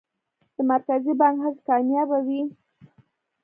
د مرکزي بانک هڅې کامیابه وې؟